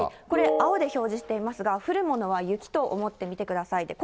これ、青で表示していますが、降るものは雪と思って見てください。